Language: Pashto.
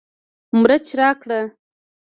مرچ راکړه